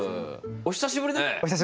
お久しぶりです。